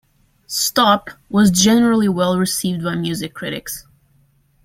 "Stop" was generally well received by music critics.